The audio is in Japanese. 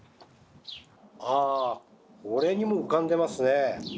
あこれにも浮かんでますね。